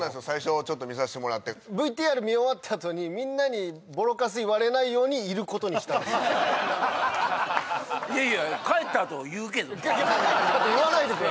最初ちょっと見させてもらってＶＴＲ見終わったあとにみんなにボロカス言われないようにいることにしたんです